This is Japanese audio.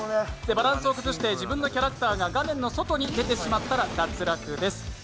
バランスを崩して自分のキャラクターが画面の外に出てしまったら脱落です。